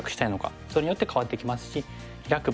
それによって変わってきますしヒラく